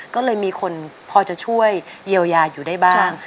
ก็เลยมีคนพอจะช่วยเยียวยาอยู่ได้บ้าง